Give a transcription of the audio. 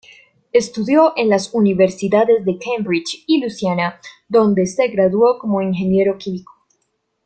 Estudió en las universidades de Cambridge y Lausana, donde se graduó como ingeniero químico.